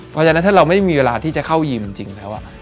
เพราะฉะนั้นถ้าเราไม่มีเวลาที่จะเข้ายีมจริงแล้ว